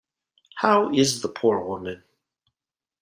How is the poor woman?